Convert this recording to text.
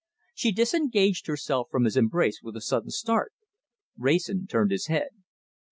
She disengaged herself from his embrace with a sudden start. Wrayson turned his head.